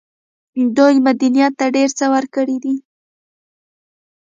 دوی مدنيت ته ډېر څه ورکړي دي.